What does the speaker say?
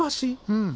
うん。